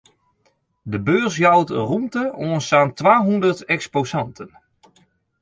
De beurs jout rûmte oan sa'n twahûndert eksposanten.